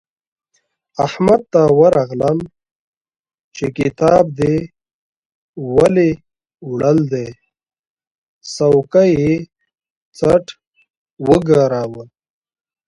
احمد ته ورغلم چې کتاب دې ولې وړل دی؛ سوکه یې څټ وګاراوو.